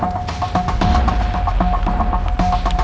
aku mau ke rumah